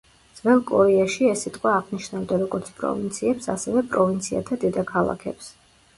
ძველ კორეაში ეს სიტყვა აღნიშნავდა როგორც პროვინციებს, ასევე პროვინციათა დედაქალაქებს.